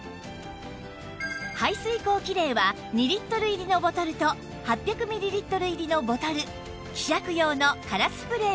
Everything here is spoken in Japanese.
排水口キレイは２リットル入りのボトルと８００ミリリットル入りのボトル希釈用の空スプレー